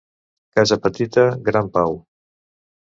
Casa petita, gran pau.